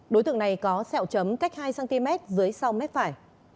đối tượng này có xẹo chấm cách hai cm dưới sáu m phải